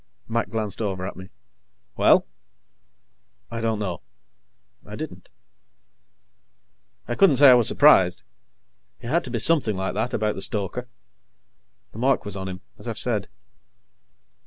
Mac glanced over at me. "Well?" "I don't know." I didn't. I couldn't say I was surprised. It had to be something like that, about the stoker. The mark was on him, as I've said.